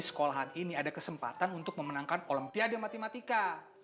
sekolahan ini ada kesempatan untuk memenangkan olimpiade matematika